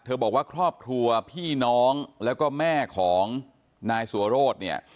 บอกว่าครอบครัวพี่น้องแล้วก็แม่ของนายสัวโรธเนี่ย